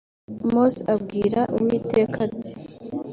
Mose abwira Uwiteka ati